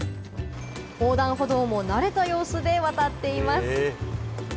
横断歩道も慣れた様子で渡っています。